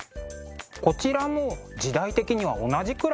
こちらも時代的には同じくらいですか？